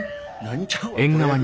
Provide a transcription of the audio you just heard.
「何」ちゃうわ。